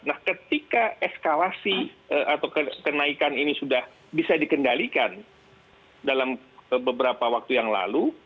nah ketika eskalasi atau kenaikan ini sudah bisa dikendalikan dalam beberapa waktu yang lalu